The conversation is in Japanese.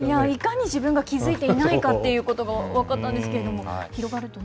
いかに自分が気付いていないかということが分かったんですけ